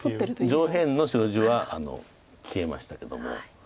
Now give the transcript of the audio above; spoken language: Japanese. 上辺の白地は消えましたけども。